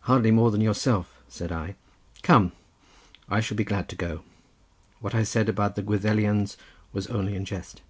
"Hardly more than yourself," said I. "Come; I shall be glad to go. What I said about the Gwyddelians was only in jest."